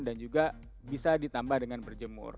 dan juga bisa ditambah dengan berjemur